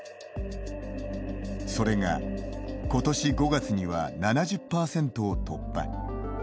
それが今年５月には７０％を突破。